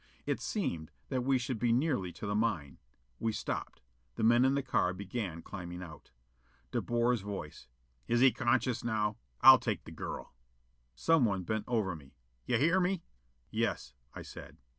It seemed that we should be nearly to the mine. We stopped. The men in the car began climbing out. De Boer's voice: "Is he conscious now? I'll take the girl." Someone bent over me. "You hear me?" "Yes," I said.